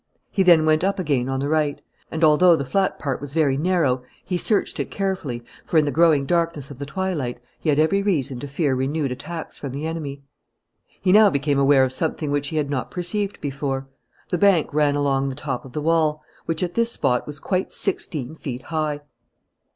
He then went up again on the right; and although the flat part was very narrow, he searched it carefully for, in the growing darkness of the twilight, he had every reason to fear renewed attacks from the enemy. He now became aware of something which he had not perceived before. The bank ran along the top of the wall, which at this spot was quite sixteen feet high.